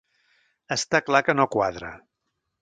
Està clar que no quadra.